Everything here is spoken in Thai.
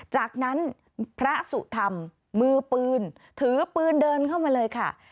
จากนั้นพระสุธรรมมือปืนถือปืนเดินเข้ามาเลยค่ะ